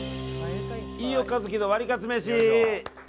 飯尾和樹のワリカツめし。